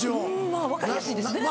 まぁ分かりやすいですね。